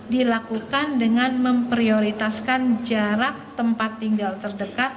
dilakukan dengan memprioritaskan jarak tempat tinggal terdekat